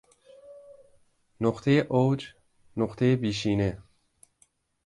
نقطهی اوج، نقطهی بیشینه